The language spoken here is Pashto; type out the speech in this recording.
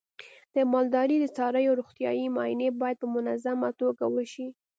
د مالدارۍ د څارویو روغتیايي معاینې باید په منظمه توګه وشي.